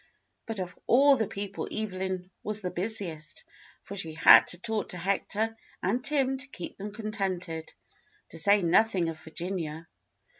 But of all the people Evelyn was the busiest, for she had to talk to Hector and Tim to keep them contented, to say noth ing of Virginia.